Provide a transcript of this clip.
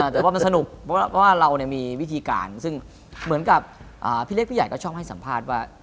แต่ว่ามันสนุกเพราะว่าเรามีวิธีการซึ่งเหมือนกับพี่เล็กพี่ใหญ่ก็ชอบให้สัมภาษณ์ว่า